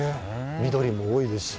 緑も多いですし。